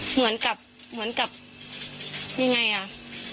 เหมือนกับอย่างไรอ่ะ